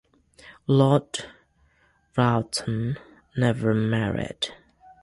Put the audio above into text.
Lord Rowton never married.